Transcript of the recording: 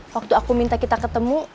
waktu aku minta kita ketemu